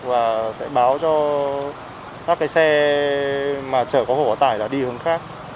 và sẽ báo cho các xe mà chở quá khổ hoặc quá tải là đi hướng khác